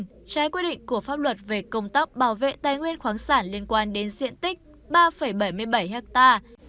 trái quy định của pháp luật về công tác bảo vệ tài nguyên khoáng sản liên quan đến diện tích ba bảy mươi bảy ha